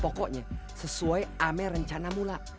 pokoknya sesuai amel rencana mula